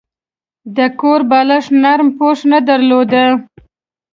د کور بالښت نرمه پوښ نه درلوده.